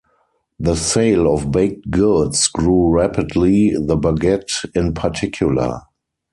The sale of baked goods grew rapidly, the baguette in particular.